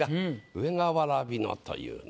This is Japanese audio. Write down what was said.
「上がわらびの」というね。